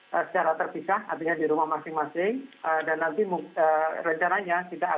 kepada penyelenggaraan beberapa orang diperlukan untuk berbelanja untuk persiapan perayaan idul fitri